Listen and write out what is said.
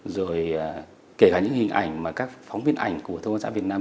rồi kể cả những hình ảnh mà các phóng viên ảnh của thông quan sát việt nam